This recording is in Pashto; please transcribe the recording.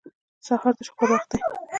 سهار د شکر وخت دی.